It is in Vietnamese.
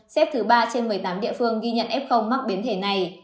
xếp thứ ba trên một mươi tám địa phương ghi nhận f mắc biến thể này